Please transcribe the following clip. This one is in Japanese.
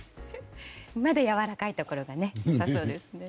まだやわらかいところが良さそうですね。